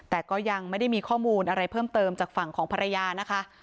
แต่ก็ยังไม่ได้มีข้อมูลอะไรเพิ่มเติมจากฝั่งของภรรยานะคะ